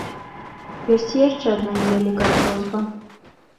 Ёсць і яшчэ адна невялікая просьба.